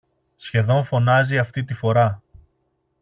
σχεδόν φωνάζει αυτή τη φορά